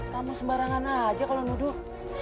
kamu sembarangan aja kalau duduk